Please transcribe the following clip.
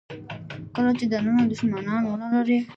کله چې دننه دوښمنان ونه لرئ.